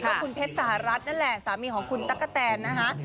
ว่าคุณเพชรสหรัฐนั่นแหละสามีของคุณตั๊กกะแตนนะคะ